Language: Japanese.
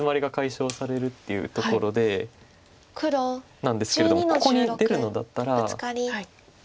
なんですけれどもここに出るのだったら。